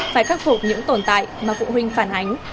phải khắc phục những tồn tại mà phụ huynh phản ánh